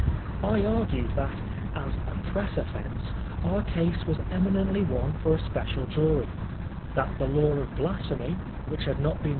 I argued that, as a press offence, our case was eminently one for a special jury ; that the law of blasphemy, which had not bee n 60 PfilSOKBB FOB BZiMPHBM'7.